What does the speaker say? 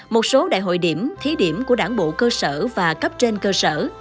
một số đại hội điểm thí điểm của đảng bộ cơ sở và cấp trên cơ sở